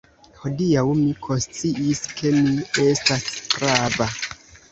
Hodiaŭ mi konsciis, ke mi estas prava!